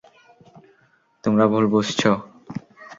তোমরা ভুল বুঝছ।